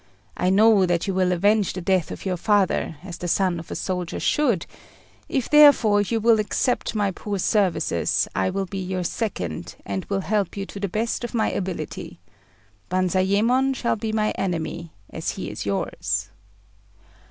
I know that you will avenge the death of your father, as the son of a soldier should: if, therefore, you will accept my poor services, I will be your second, and will help you to the best of my ability. Banzayémon shall be my enemy, as he is yours."